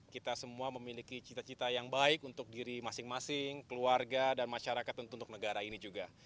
kita semua memiliki cita cita yang baik untuk diri masing masing keluarga dan masyarakat tentu untuk negara ini juga